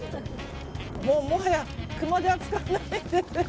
もう、もはや熊手は使わないですね。